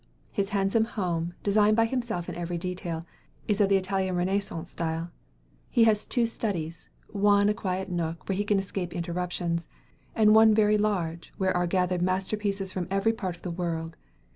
His handsome home, designed by himself in every detail, is in the Italian Renaissance style. He has two studies, one a quiet nook, where he can escape interruptions; and one very large, where are gathered masterpieces from every part of the world.